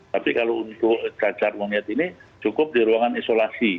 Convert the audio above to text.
tapi kalau untuk cacar monyet ini cukup di ruangan isolasi